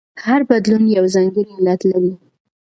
هر بدلون یو ځانګړی علت لري.